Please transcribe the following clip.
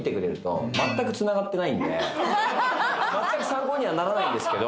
まったく参考にはならないんですけど。